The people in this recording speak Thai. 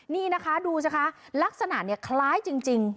นี่นะคะดูสิคะลักษณะเนี่ยคล้ายจริง